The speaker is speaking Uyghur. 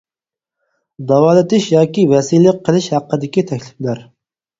داۋالىتىش ياكى ۋەسىيلىك قىلىش ھەققىدىكى تەكلىپلەر.